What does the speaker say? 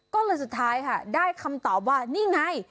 ก็เลยสุดท้ายค่ะได้คำตอบว่านี่ไง